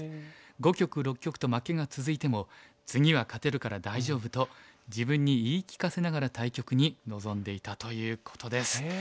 ５局６局と負けが続いても次は勝てるから大丈夫と自分に言い聞かせながら対局に臨んでいたということです。